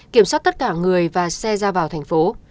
kiểm soát tất cả người và xe ra vào thành phố